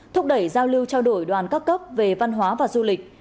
thúc đẩy giao lưu trao đổi đoàn các cấp về văn hóa và du lịch